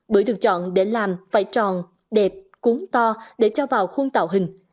bưởi được chọn để làm phải tròn đẹp cuốn to để cho vào khuôn tạo hình